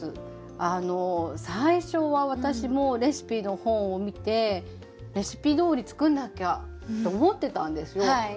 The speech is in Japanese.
あの最初は私もレシピの本を見てレシピどおり作んなきゃと思ってたんですよ。